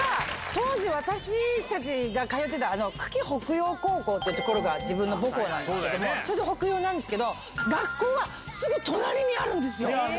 当時私たちが通ってた久喜北陽高校って所が母校なんですけどもそれで北陽なんですけど学校がすぐ隣にあるんですよ。